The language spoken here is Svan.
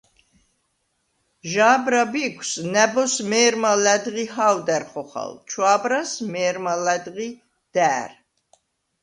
ჟა̄ბრა ბიქვს ნა̈ბოზს მე̄რმა ლა̈დღი ჰა̄ვდა̈რ ხოხალ, ჩვა̄ბრას − მე̄რმა ლა̈დღი და̄̈რ.